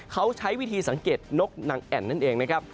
เขาใช้วิธีสังเกตนกนางแอ่นนั่นเองนะครับ